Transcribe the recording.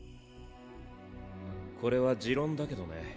これは持論だけどね